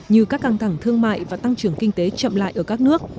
như các căng thẳng thương mại và tăng trưởng kinh tế chậm lại ở các nước